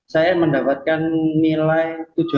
saya mendapatkan nilai tujuh ratus sepuluh